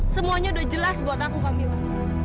semuanya udah jelas buat aku pamila